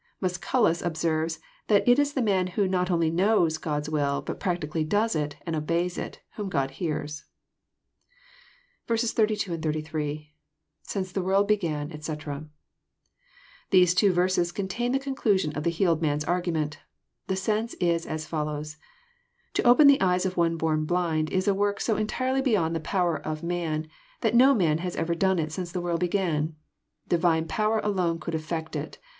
166 EXPOSITOBT THOUGHTS. Mascnlus observefl, that it is the man who not only << knows God's will, but practically ^* does " it, and obeys it, whom God hears. 82, 83. — ISince the world began, etc."] These two verses contain the conclusion of the heided man's argument. The sense is as follows :" To open the eyes of ojfi JEftrn blind is a work so entirely beyond the power of man, that no man has ever done it since the world began. DlTtne power alone could effect it.